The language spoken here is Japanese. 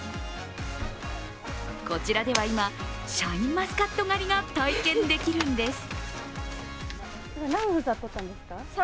こちらでは今、シャインマスカット狩りが体験できるんです。